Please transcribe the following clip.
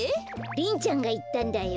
リンちゃんがいったんだよ。